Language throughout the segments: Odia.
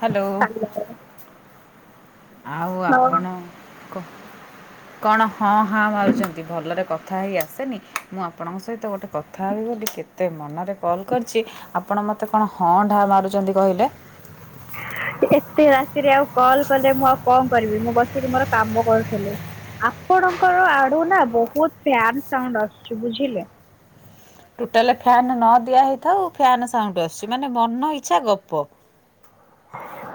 ହ୍ୟାଲୋ ଆଉ ଆପଣ କ କଣ ହଁ ହାଁ ମାରୁଛନ୍ତି ଭଲରେ କଥା ହେଇ ଆସେନି ମୁଁ ଆପଣଙ୍କ ସହିତ ଗୋଟେ କଥା ହେବି ବୋଲି କେତେ ମନରେ କଲ୍ କରିଛି ଆପଣ ମୋତେ କଣ ହଁ ଢାଁ ମାରୁଛନ୍ତି କହିଲେ? ଏତେ ରାତିରେ ଆଉ କଲ କଲେ ମୁଁ ଆଉ କଣ କରିବି ମୁଁ ବସିକି ମୋର କାମ କରୁଥିଲି। ଆପଣଙ୍କର ଆଡ଼ୁ ନା ବୋହୁତ ଫ୍ୟାନ ସାଉଣ୍ଡ ଆସୁଛି ବୁଝିଲେ? ଟୋଟାଲେ ଫ୍ୟାନ ନ ଦିଆ ହେଇଥାଉ ଫ୍ୟାନ୍ ସାଉଣ୍ଡ ଆସୁଛି ମାନେ ମନ ଇଚ୍ଛା ଗପ।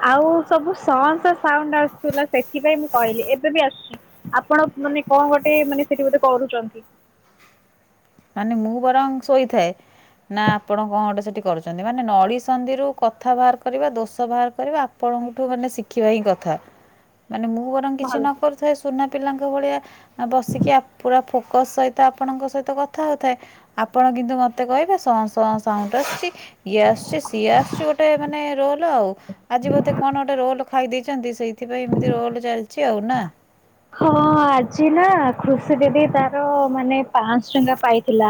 ଆଉ ସବୁ ସଁ ସଁ ସାଉଣ୍ଡ ଆସୁଥିଲା ସେଥିପାଇଁ ମୁଁ କହିଲି ଏବେ ବି ଆସୁଚି। ଆପଣ ମାନେ କଣ ଗୋଟେ ମାନେ ସେଠି ବୋଧେ କରୁଚନ୍ତି। ମାନେ ମୁଁ ବରଂ ଶୋଇଥାଏ। ନା ଆପଣ କଣ ଗୋଟେ ସେଠି କରୁଛନ୍ତି ମାନେ ନଳି ସନ୍ଧିରୁ କଥା ବାହାର କରିବା ଦୋଷ ବାହାର କରିବା ଆ ଆପଣଙ୍କଠୁ ମାନେ ଶିଖିବା ହିଁ କଥା ମାନେ ମୁଁ ବରଂ କିଛି ଭଲ। ନ କରୁ ସେ ସୁନା ପିଲାଙ୍କ ଭଳିଆ ଆ ବସିକି ଆ ପୁରା ଫୋକସ ସହିତ ଆପଣଙ୍କ ସହିତ କ କଥା ହେଉଥାଏ ଆପଣ କିନ୍ତୁ ମୋତେ କହିବେ ସଂ ସଂ ସାଉଣ୍ଡ ଆସୁଚି। ଇଏ ଆସୁଚି ସିଏ ଆସୁଚି ଗୋଟେ ମାନେ ରୋଲ ଆଉ। ଆଜି ବୋଧେ କଣ ଗୋଟେ ରୋଲ ଖାଇ ଦେଇଚନ୍ତି ସେଇଥିପାଇଁ ଏମିତି ରୋଲ ଚାଲିଚି ଆଉ ନା। ହଁ ଆଜି ନା ଖୁସି ଦିଦି ତାର ମାନେ ପାଁଶହ ଟଙ୍କା ପାଇଥିଲା।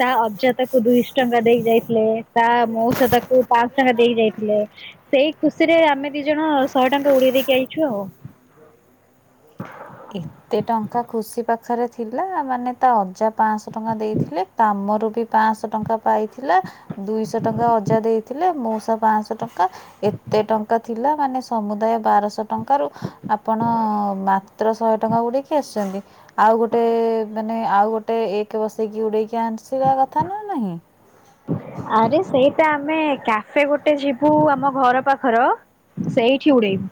ତା ଅଜାତାକୁ ଦୁଇଶହ ଟଙ୍କା ଦେଇ ଯାଇଥିଲେ ତା ମଉସା ତାକୁ ପାଁଶହ ଟଙ୍କା ଦେଇ ଯାଇଥିଲେ। ସେଇ ଖୁସିରେ ଆମେ ଦି ଜଣ ଶହେ ଟଙ୍କା ଉଡେଇ ଦେଇକି ଯଇଚୁ ଆଉ। ଏତେ ଟଙ୍କା ଖୁସି ପାଖରେ ଥିଲା ମାନେ ତା ଅଜା ପାଁଶହ ଟଙ୍କା ଦେଇଥିଲେ କାମରୁ ବି ପାଁଶହ ଟଙ୍କା ପାଇଥିଲା ଦୁଇଶହ ଟଙ୍କା ଅଜା ଦେଇଥିଲେ ମଉସା ପାଁଶହ ଙ୍କା ଏତେ ଟଙ୍କା ଥିଲା ମାନେ ସମୁଦାୟ ବାରଶହ ଟଙ୍କାରୁ ଆପଣ ମାତ୍ର ଶହେ ଟଙ୍କା ଉଡେଇକି ଆସିଚନ୍ତି। ଆଉ ଗୋଟେ ମାନେ, ଆଉ ଗୋଟେ ଏକ ବସେଇକି ଉଡ଼େଇକି ଆନସିବା କଥା ନା ନାହିଁ। ଆରେ ସେଇଟା ଆମେ କ୍ୟାଫେ ଗୋଟେ ଯିବୁ ଆମ ଘର ପାଖର ସେଇଠି ଉଡ଼େଇବୁ।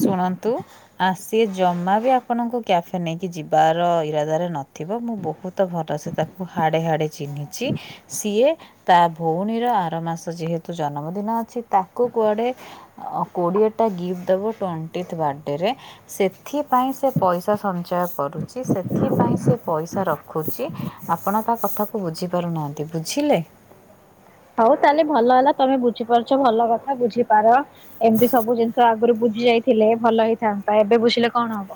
ଶୁଣନ୍ତୁ ଆସି ଜମା ବି ଆପଣଙ୍କୁ କ୍ୟାଫେ ନେଇକି ଯିବାର ଇରାଦାରେ ନ ଥିବ ମୁଁ ବହୁତ ଭଲ ସେ ତାକୁ ହାଡ଼େ ହାଡ଼େ ଚିହ୍ନିଚି ସିଏ ତା ଭଉଣୀର ଆର ମାସ ଯେହେତୁ ଜନମଦିନ ଅଛି ତାକୁ କୁଆଡ଼େ କୋଡ଼ିଏଟା ଗିଫ୍ଟ ଦେବ ଟ୍ୱେଣ୍ଟିଥ୍ ବାର୍ଥଡେରେ। ସେଥିପାଇଁ ସେ ପଇସା ସଞ୍ଚୟ କରୁଚି ସେଥିପାଇଁ ସେ ପଇସା ରଖୁଚି। ଆପଣ ତା କଥାକୁ ବୁଝି ପାରୁନାହାନ୍ତି ବୁଝିଲେ। ହଉ ତାହେଲେ ଭଲ ହେଲା ତମେ ବୁଝିପାରୁଛ ଭଲ କଥା ବୁଝିପାର। ଏମିତି ସବୁ ଜିନିଷ ଆଗରୁ ବୁଝି ଯାଇଥିଲେ ଭଲ ହେଇଥାନ୍ତା ଏବେ ବୁଝିଲେ କଣ ହବ।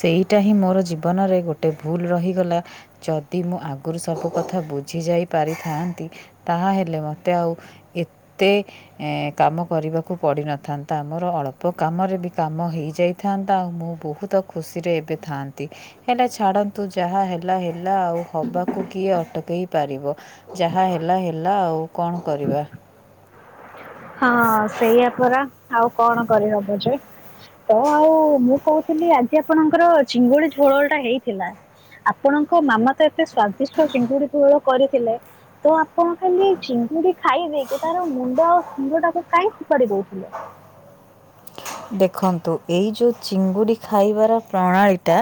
ସେଇଟା ହିଁ ମୋର ଜୀବନରେ ଗୋଟେ ଭୁଲ ରହିଗଲା। ଯଦି ମୁଁ ଆଗରୁ ସବୁ କଥା ବୁଝି ଯାଇ ପାରିଥାନ୍ତି ତାହାହେଲେ ମତେ ଆଉ ଏତେ ଏ କାମ କରିବାକୁ ପଡ଼ିନଥାନ୍ତା ଆମର ଅଳ୍ପ କାମରେ ବି କାମ ହେଇଯାଇ ଥାଆନ୍ତା ଆଉ ମୁଁ ବହୁତ ଖୁସିରେ ଏବେ ଥାଆନ୍ତି। ହେଲେ ଛାଡ଼ନ୍ତୁ ଯାହା ହେଲା ହେଲା ଆଉ ହବାକୁ କିଏ ଅଟକେଇ ପାରିବ। ଯାହା ହେଲା ହେଲା ଆଉ କଣ କରିବା। ହଁ ସେଇଆ ପରା ଆଉ କଣ କରିହବ ଯେ। ତ ଆଉ ମୁଁ କହୁଥିଲି ଆଜି ଆପଣଙ୍କର ଚିଙ୍ଗୁଡି ଝୋଳ ଟା ହେଇଥିଲା। ଆପଣଙ୍କ ମାମା ତ ଏତେ ସ୍ଵାଦିଷ୍ଟ ଚିଙ୍ଗୁଡି ଝୋଳ କରିଥିଲେ ତ ଆ ପଣ ଖାଲି ଚିଙ୍ଗୁଡି ଖାଇଦେଇକି ତାର ମୁଣ୍ଡ ଆଉ ଫୁଣ୍ଡଟାକୁ କାଇଁ ଫୋପାଡି ଦଉଥିଲେ? ଦେଖନ୍ତୁ ଏଇ ଯୋଉ ଚିଙ୍ଗୁଡି ଖାଇବାର ପ୍ରଣାଳୀ ଟା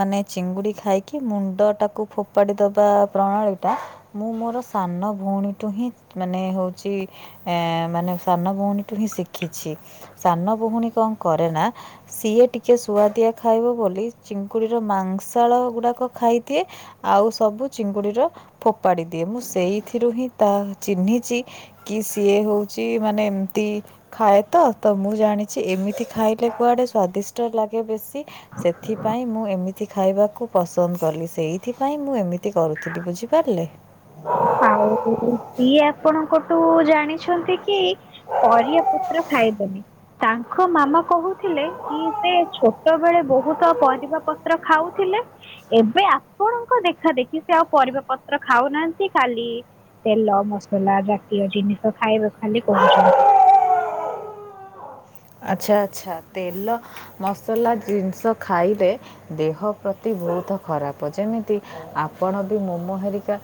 ମାନେ ଚିଙ୍ଗୁଡି ଖାଇକି, ମୁଣ୍ଡ ଟାକୁ ଫୋପାଡି ଦବା ପ୍ରଣାଳୀ ଟା ମୁଁ ମୋର ସାନ ଭଉଣୀଠୁ ହିଁ ମାନେ ହଉଚି ଏ ମାନେ ସାନ ଭଉଣୀଠୁ ହିଁ ଶିଖିଚି ସାନ ଭଉଣୀ କଣ କରେ ନା ସିଏ ଟିକେ ସୁଆଦିଆ ଖାଇବ ବୋଲି ଚିଙ୍କୁୁଡିର ମାଂସାଳ ଗୁଡାକ ଖାଇଦିଏ ଆଉ ସବୁ ଚିଙ୍ଗୁଡ଼ିର ଫୋପାଡ଼ି ଦିଏ ମୁଁ ସେଇଥିରୁ ହିଁ ତା ଚିହ୍ନିଛି କି ସିଏ ହଉଛି ମାନେ ଏମତି ଖାଏ ତ ତ ମୁଁ ଜାଣିଛି ଏମିତି ଖାଇଲେ କୁଆଡ଼େ ସ୍ଵାଦିଷ୍ଟ ଲାଗେ ବେଶୀ। ସେଥିପାଇଁ ମୁଁ ଏମିତି ଖାଇବାକୁ ପସନ୍ଦ କଲି, ସେଇଥିପାଇଁ ମୁଁ ଏମିତି କରୁଥିଲି ବୁଝିପାରିଲେ। ଆଉ ସିଏ ଆପଣଙ୍କଟୁ ଜାଣିଛନ୍ତି କି? ପରିବା ପତ୍ର ଖାଇବନି। ତାଙ୍କ ମାମା କହୁଥିଲେ କି ସେ ଛୋଟ ବେଳେ ବହୁତ ପରିବା ପତ୍ର ଖାଉଥିଲେ। ଏବେ ଆପଣଙ୍କ ଦେଖା ଦେଖି ସେ ଆଉ ପରିବା ପତ୍ର ଖାଉନାହା ତି ଖାଲି ତେଲ ମସଲା ଜାତୀୟ ଜିନିଷ ଖାଇବେ ଖାଲି କହୁଛନ୍ତି। ଆଚ୍ଛା ଆଚ୍ଛା ତେଲ ମସଲା ଜିନିଷ ଖାଇଲେ ଦେହ ପ୍ରତି ବହୁତ ଖରାପ ଯେମିତି ଆପଣ ବି ମୋମୋ ହେରିକା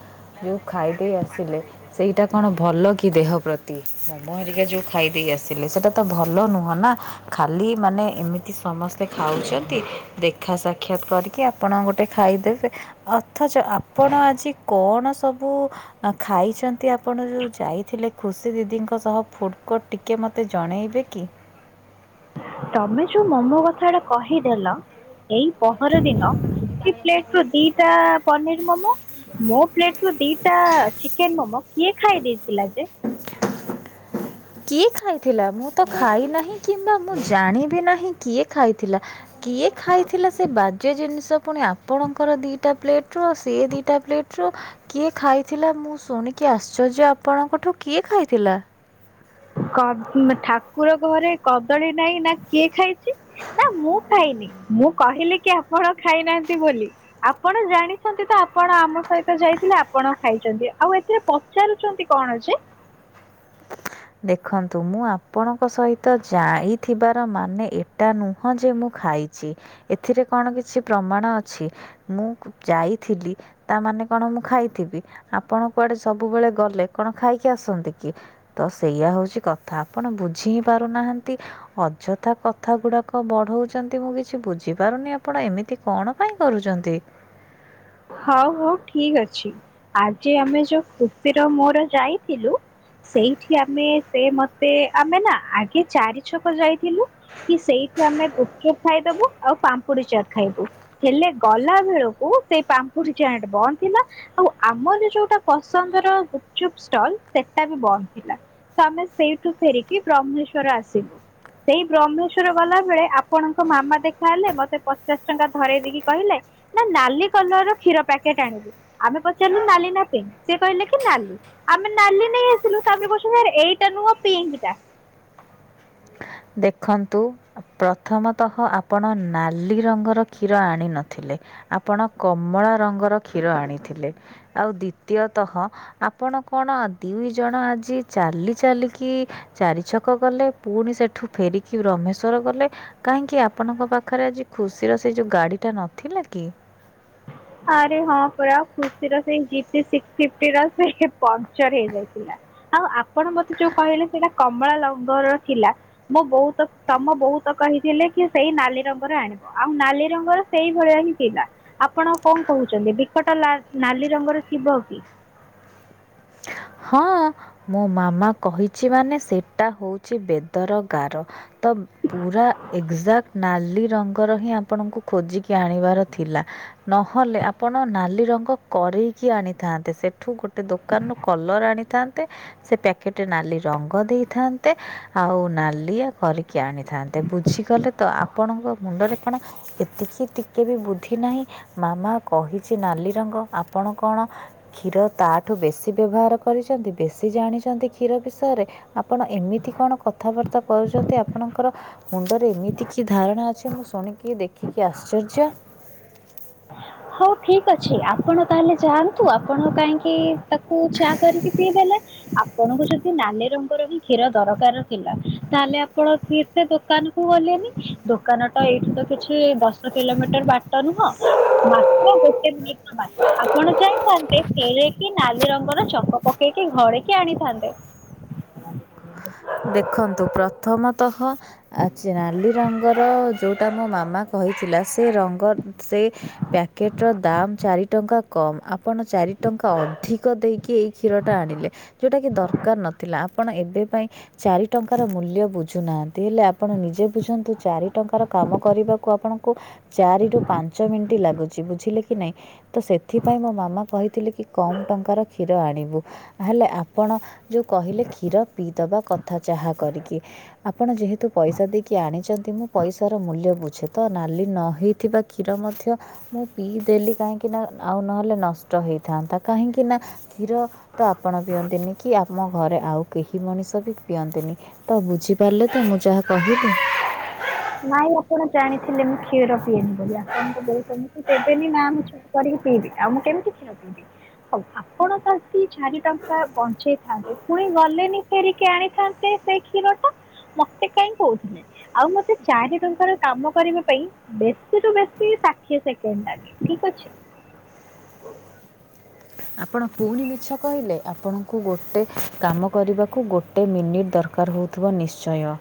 ଯଉ ଖାଇଦେଇ ଆସିଲେ ସେଇଟା କଣ ଭଲ କି ଦେହ ପ୍ରତି ମୋମୋ ହେରିକା ଯୋଉ ଖାଇଦେଇ ଆସିଲେ ସେଇଟା ତ ଭଲ ନୁହଁ ନା ଖାଲି ମାନେ ଏମିତି ସମସ୍ତେ ଖାଉଛନ୍ତି ଦେଖା ସା କ୍ଷତ କରିକି ଆପଣ ଗୋଟେ ଖାଇଦେବେ ଅଥଚ ଆପଣ ଆଜି କଣ ସବୁ? ଆ ଖାଇଛନ୍ତି ଆପଣ ଯୋଉ ଯାଇଥିଲେ ଖୁସି ଦିଦିଙ୍କ ସହ ଫୁଡ଼କୋର୍ଟ ଟିକେ ମୋତେ ଜଣେଇବେ କି? ତମେ ଯୋଉ ମୋମୋ କଥାଗୁଡ଼ା କହିଦେଲ। ଏଇ ପହର ଦିନ ଖୁସି ପ୍ଲେଟ୍ ରୁ ଦିଟା ପନିର ମୋମୋ ମୋ ପ୍ଲେଟ୍ ରୁ ଦିଟା ଚିକେନ୍ ମୋମୋ କିଏ ଖାଇ ଦେଇଥିଲା ଯେ? କିଏ ଖାଇଥିଲା ମୁଁ ତ ଖାଇ ନାହିଁ କିମ୍ବା ମୁଁ ଜାଣିବି ନାହିଁ କିଏ ଖାଇ ଥିଲା କିଏ ଖାଇଥିଲା ସେ ବାଜ୍ୟ ଜିନିଷ ପୁଣି ଆପଣଙ୍କର ଦିଇଟା ପ୍ଲେଟ୍ ରୁ ଆଉ ସିଏ ଦିଟା ପ୍ଲେଟ୍ ରୁ କିଏ ଖାଇଥିଲା ମୁଁ ଶୁଣିକି ଆଶ୍ଚର୍ଯ୍ୟ ଆପଣଙ୍କଠୁ କିଏ ଖାଇଥିଲା? କ ଠାକୁର ଘରେ କଦଳୀ ନାଇଁ ନା କିଏ ଖାଇ ଚି ନାଁ ମୁଁ ଖାଇନି ମୁଁ କହିଲି କି ଆପଣ ଖାଇନାହାନ୍ତି ବୋଲି। ଆପଣ ଜାଣିଛନ୍ତି ତ ଆପଣ ଆମ ସହିତ ଯାଇଥିଲେ ଆପଣ ଖାଇଛନ୍ତି ଆଉ ଏ ଥିରେ ପଚାରୁଛନ୍ତି କଣ ଯେ? ହ [inaudible] ଦେଖନ୍ତୁ ମୁଁ ଆପଣଙ୍କ ସହିତ ଯାଇଥିବାର ମାନେ ଏଟା ନୁ ହଁ ଯେ ମୁଁ ଖାଇଛି ଏଥିରେ କଣ କିଛି ପ୍ରମାଣ ଅଛି? ମୁଁ ଯାଇଥିଲି। ତାମାନେ କଣ ମୁଁ ଖାଇଥିବି ଆପଣ କୁଆଡ଼େ ସବୁବେଳେ ଗଲେ କଣ ଖାଇକି ଆସନ୍ତି? କି ତ ସେଇୟା ହଉଛି କଥା ଆପଣ ବୁଝି ହିଁ ପାରୁନାହାନ୍ତି। ଅଯଥା କଥା ଗୁଡ଼ାକ ବଢ଼ଉଛନ୍ତି ମୁଁ କିଛି ବୁଝିପାରୁନି ଆପଣ ଏମି ତି କଣ ପାଇଁ କରୁଚନ୍ତି? ହଉ ହଉ ଠିକ୍ ଅଛି ଆଜି ଆମେ ଯୋଉ ଖୁସିର ମୋର ଯାଇଥିଲୁ ସେଇଠି ଆମେ ସେ ମତେ ଆମେ ନା ଆଗେ ଚାରି ଛକ ଯାଇଥିଲୁ। କି ସେଇଠୁ ଆମେ ଗୁପ୍ ଚୁପ୍ ଖାଇଦବୁ ଆଉ ପାମ୍ପୁଡ଼ି ଚାଟ୍ ଖାଇବୁ। ହେଲେ ଗଲା ବେଳକୁ ସେଇ ପାମ୍ପୁଡ଼ି ଚାଟ୍ ବନ୍ଦ ଥିଲା। ଆଉ ଆମର ଯୋଉଟା ପସନ୍ଦର ଗୁପ୍ ଚୁପ୍ ଷ୍ଟଲ ସେଟା ବି ବନ୍ଦ ଥିଲା। ତଆମେ ସେଇଠୁ ଫେରିକି ବ୍ରହ୍ମେଶ୍ଵର ଆସିଲୁ। ସେଇ ବ୍ରହ୍ମେଶ୍ଵର ଗଲା ବେଳେ ଆପଣଙ୍କ ମାମା ଦେଖାହେଲେ ମତେ ପଚାଶ ଟଙ୍କା ଧରେଇ ଦେଇକି କହିଲେ ନା ନାଲି କଲର ର କ୍ଷୀର ପ୍ୟାକେଟ ଆଣିବୁ ଆମେ ପଚାରିଲୁ ନାଲି ନା ପିଙ୍କ୍ ସେ କହିଲେ କି ନାଲି। ଆମେ ନାଲି ନେଇ ଆସିଲୁ ତାପରେ କହୁସନ୍ତି ଆରେ ଏଇଟା ନୁହଁ ପିଙ୍କି ଟା। ଦେଖନ୍ତୁ ପ୍ରଥମତଃ ଆପଣ ନାଲି ରଙ୍ଗର କ୍ଷୀର ଆଣିିନଥିଲେ। ଆପଣ କମଳା ରଙ୍ଗର କ୍ଷୀର ଆଣିଥିଲେ। ଆଉ ଦ୍ଵିତୀୟତଃ ଆପଣ କଣ ଦ୍ୟୁଇ ଜଣ ଆଜି ଚାଲି ଚାଲିକି ଚାରି ଛକ ଗଲେ ପୁଣି ସେଠୁ ଫେରିକି ବ୍ରହ୍ମେଶ୍ଵର୍ ଗଲେ। କାହିଁକି ଆପଣଙ୍କ ପାଖରେ ଆଜି ଖୁସିର ସେ ଯୋଉ ଗାଡି ଟା ନଥିଲା କି? ଆରେ ହଁ ପୁରା ଖୁସିର ସେ ଜିପିସି [unintelligible] ସେଇଟା ପଙ୍କ୍ଚର୍ ହେଇଯାଇଥିଲା। ଆଉ ଆପଣ ମତେ ଯୋଉ କହିଲେ ସେଇଟା କମଳା ଲଙ୍ଗର ଥିଲା। ମୋ ବୋଉ ତ ତମ ବୋଉ ତ କହିଥିଲେ କି ସେଇ ନାଲି ରଙ୍ଗର ଆଣେ। ଆଉ ନାଲି ରଙ୍ଗର ସେଇ ଭଳିଆ ହିଁ ଥିଲା। ଆପଣ କଁ କହୁଛନ୍ତି ବିକଟ ଲା ଲାଲି ରଙ୍ଗର ଥିବ କି? ହଁ। ମୋ ମାମା କହିଚି ମାନେ ସେଟା ହଉଛି ବେଦର ଗାର ତମ୍ ପୁରା ଏକ୍ଜାକ୍ଟ୍ ନାଲି ରଙ୍ଗର ହିଁ ଆପଣଙ୍କୁ ଖୋଜିକି ଆଣିବାର ଥିଲା। ନହେଲେ ଆପଣ ନାଲି ରଙ୍ଗ କରେଇକି ଆଣିଥାନ୍ତେ ସେଠୁ ଗୋଟେ ଦୋ କାନୁ କଲର୍ ଆଣିଥାନ୍ତ୍ ତେ ସେ ପ୍ୟାକେଟ୍ ରେ ନାଲି ରଙ୍ଗ ଦେଇଥାନ୍ ତେ ଆଉ ନାଲିଆ କରିକି ଆଣିଥାନ୍ତେ ବୁଝିଗଲେ ତ ଆପଣଙ୍କ ମୁଣ୍ଡରେ କଣ ଏତିକି ଟି କେ ବି ବୁଦ୍ଧି ନାହିଁ ମାମା କହିଛି ନାଲି ରଙ୍ଗ ଆପଣ କଣ କ୍ଷୀର ତା ଠୁ ବେଶୀ ବ୍ୟବହାର କରିଛନ୍ତି ବେଶୀ ଜାଣିଛନ୍ତି କ୍ଷୀର ବିଷୟରେ। ଆପଣ ଏମିତି କଣ କଥାବାର୍ତ୍ତା କରୁଛନ୍ତି ଆପଣ କର ମୁଣ୍ଡରେ ଏମିତି କି ଧାରଣା ଅଛି ମୁଁ ଶୁଣିକି ଦେଖିକି ଆଶ୍ଚର୍ଯ୍ୟ। ହଉ ଠିକ୍ ଅଛି ଆପଣ ତାହେଲେ ଯାଆନ୍ତୁ ଆପଣ କାଇଁକି ତାକୁ ଚା କରିକି ପିଇଦେଲେ ଆ ପଣଙ୍କୁ ଯଦି ନାଲି ରଙ୍ଗର ହିଁ କ୍ଷୀର ଦରକାର ଥିଲା ତାହଲେ ଆପଣ ଫିର୍ ସେ ଦୋକାନ କୁ ଗଲେନି। ଦୋକାନଟା ଏଇଠୁ ତ କିଛି ଦଶ କିଲୋମିଟର୍ ବାଟ ନୁହଁ ମାତ୍ର ଗୋଟେ ମିନିଟ୍ ବାଟ ଆପଣ ଯାଇଥାନ୍ତେ ଫେରେଇ କି ନାଲି ରଙ୍ଗର ଚକ ପକେଇକି ଘରେ କି ଆଣିଥାନ୍ତେ। ଦେଖନ୍ତୁ ପ୍ରଥମତଃ ଆଚା ନାଲି ରଙ୍ଗର ଯଉଁଟା ମୋ ମାମା କହିଥିଲା ସ୍ ସେ ରଙ୍ଗ ସେ ପ୍ୟାକେଟ୍ ର ଦାମ୍ ଚାରି ଟଙ୍କା। କମ୍ ଆପଣ ଚାରି ଟଙ୍କା ଅଧିକ ଦେଇକି ଏଇ କ୍ଷୀରଟା ଆଣିଲେ। ଯୋଉଟା କି ଦରକାର୍ ନଥିଲା ଆପଣ ଏବେ ପାଇଁ ଚାରି ଟଙ୍କାର ମୂଲ୍ୟ ବୁଝ୍ ଝୁନାହାନ୍ତି ହେଲେ ଆପଣ ନିଜେ ବୁଝନ୍ତୁ ଚାରି ଟଙ୍କାର କାମ କରିବାକୁ ଆପଣଙ୍କୁ ଚାରି ରୁ ପାଞ୍ଚ ମିନ୍ଟି ଲାଗୁଚି ବୁଝିଲେ କି ନାଇଁ ତ ସେଥିପାଇଁ ମୋ ମାମା କହିଥିଲେ କି କମ୍ ଟଙ୍କାର କ୍ଷୀର ଆଣିବୁ ନହେଲେ ଆପଣ ଯେଉ କହିଲେ କ୍ଷୀର ପିଇଦବା କ ଥା ଚାହା କରିକି। ଆପଣ ଯେହେତୁ ପଇସା ଦେଇକି ଆଣିଛନ୍ତି ମୁଁ ପଇସାର ମୂଲ୍ୟ ବୁଝେ ତ ନାଲି ନ ହେଇଥିବା କ୍ଷୀର ମଧ୍ୟ ମୁଁ ପିଇଦେଲି କାହିଁକିନା ଆଉ ନହେଲେ ନଷ୍ଟ ହେଇଥାନ୍ତା କାହିଁକିନା କ୍ଷୀର ତ ଆପଣ ପିଅନ୍ତିନି କି ଆମ ଘରେ ଆଉ କେହି ମଣିଷ ବି ପିଅନ୍ତିନି ତ ବୁଝିପାରିଲେ ତ ମୁଁ ଯାହା କହିଲି। ନାଇଁ ଆପଣ ଜାଣିଥିଲେ ମୁଁ କ୍ଷୀର ପିଏନି ବୋଲି ଆପଣଙ୍କ ବୋଉ ତମକୁ ଦେବେନି ନା [unintelligible] କରିକି ପିଇବି ଆଉ ମୁଁ କେମିତି କ୍ଷୀର ପିଇବି ହଉ ଆପଣ ତ [unintelligible] ଚାରି ଟଙ୍କା ବଞ୍ଚେଇ ଥାନ୍ତେ ପୁଣି ଗଲେନି ଫେରିକି ଆଣିଥାନ୍ତେ ସେ କ୍ଷୀରକୁ। ମତେ କାହିଁ କହୁଥିଲେ? ଆଉ ମତେ ଚାରି ଟଙ୍କାର କାମ କରିବା ପାଇଁ ବେଶୀ ରୁ ବେଶୀ ଷାଠିଏ ସେକେଣ୍ଡ ଲାଗେ। ଠିକ ଅଛି। ଆପଣ ପୁଣି ମିଛ କହିଲେ। ଆପଣଙ୍କୁ ଗୋଟେ କାମ କରିବାକୁ ଗୋ ଗୋଟେ ମିନିଟ୍ ଦରକାର ହେଉଥିବ ନିଶ୍ଚୟ।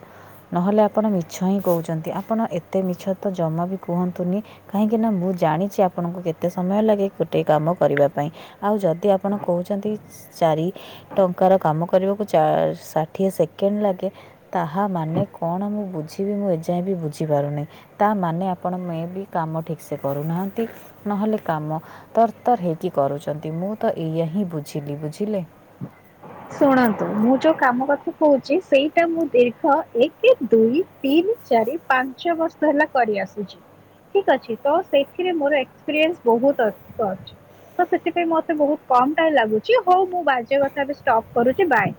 ନହେଲେ ଆପଣ ମିଛ ହିଁ କହୁଛନ୍ତି। ଆପଣ ଏତେ ମିଛ ତ ଜମା ବି କୁହନ୍ତୁନି। କାହିଁକି ନା ମୁଁ ଜାଣିଛି ଆପଣଙ୍କୁ କେତେ ସମୟ ଲାଗେ ଗୋଟେ କାମ କରିବା ପାଇଁ। ଆଉ ଯଦି ଆପଣ କହୁଛନ୍ତି ଚାରି ଟଙ୍କାର କାମ କରିବାକୁ ଚା ଷା ଷାଠିଏ ସେକେଣ୍ଡ ଲାଗେ ତାହା ମାନେ କଣ ମୁଁ ବୁଝିବି ମୁଁ ଏଯାଏ ବି ବୁଝିପାରୁନି। ତା ମାନେ ଆପଣ ମେ ବି କାମ ଠିକ ସେ କରୁନାହାନ୍ତି। ନହେଲେ କାମ ତରତର ହେଇକି କରୁଛନ୍ତି ମୁଁ ତ ଏଇଆ ହିଁ ବୁଝିଲି ବୁଝିଲେ। ଶୁଣନ୍ତୁ ମୁଁ ଯୋଉ କାମ କଥା କହୁଛି, ସେଇଟା ମୁଁ ଦୀର୍ଘ ଏକ ଦୁଇ ତିନି, ଚାରି, ପାଞ୍ଚ ବର୍ଷ ହେଲା କରିଆସୁଛି। ଠିକ୍ ଅଛି ତ ସେଥିରେ ମୋର ଏକ୍ସପିରିଏନ୍ସ ବହୁତ ଅଧିକ ଅଛି। ତ ସେଥିପାଇଁ ମତେ ବହୁତ କମ ଟାଇମ ଲାଗୁଛି। ହଉ ମୁଁ ବାଜେ କଥା ଏବେ ଷ୍ଟପ କରୁଛି। ବାଏ।